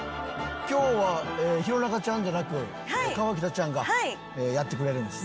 今日は弘中ちゃんじゃなく河北ちゃんがやってくれるんですね。